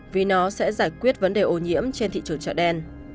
vì nó sẽ giải quyết vấn đề ô nhiễm trên thị trường chợ đen